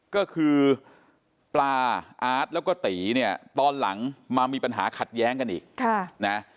ก็คือปลาอาร์ตแล้วก็ตีเนี่ยตอนหลังมามีปัญหาขัดแย้งกันอีกนะ